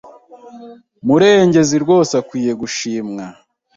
Murengezi rwose akwiye gushimwa.